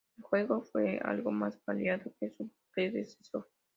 El juego fue algo más variado que su predecesor.